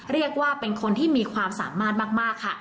เรียกว่าเป็นคนที่มีความสามารถมากค่ะ